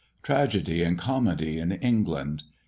TRAGEDY AND COMEDY IN ENGLAND.